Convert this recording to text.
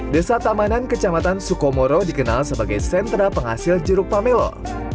desa tamanan kecamatan sukomoro dikenal sebagai sentra penghasil jeruk pamelo